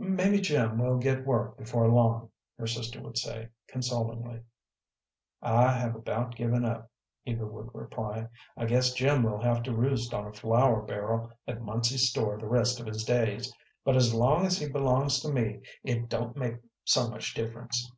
"Maybe Jim will get work before long," her sister would say, consolingly. "I have about given up," Eva would reply. "I guess Jim will have to roost on a flour barrel at Munsey's store the rest of his days; but as long as he belongs to me, it don't make so much difference."